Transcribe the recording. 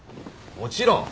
もちろん。